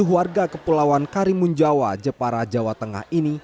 satu ratus sembilan puluh tujuh warga kepulauan karimunjawa jepara jawa tengah ini